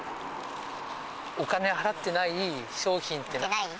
お金、払ってない商品ってはい。